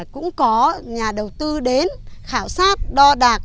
cũng có nhà đầu tư đến khảo sát đo đạc